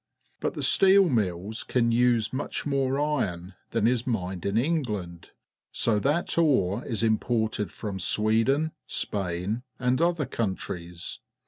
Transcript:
But the steel mills can use much more ii'on than is mined in England, so that ore is imported from Sweden^ Spain, and other countries.